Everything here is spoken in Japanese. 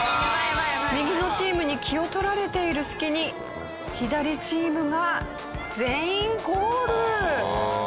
右のチームに気を取られている隙に左チームが全員ゴール！